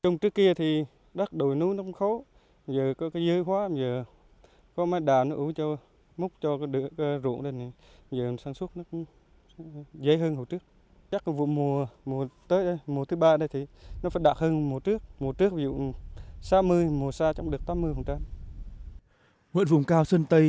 nguyện vùng cao sơn tây